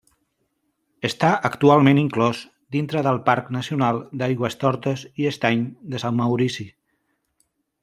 Està actualment inclòs dintre del Parc Nacional d'Aigüestortes i Estany de Sant Maurici.